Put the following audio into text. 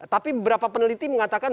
tapi beberapa peneliti mengatakan